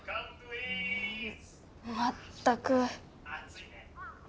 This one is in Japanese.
まったく。